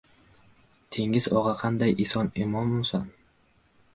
— Tengiz og‘a, qanday, eson-omonmisan?